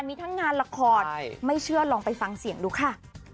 มีทั้งงานละครไม่เชื่อลองไปฟังเสียงดูค่ะ